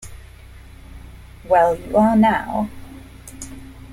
Well, you are now.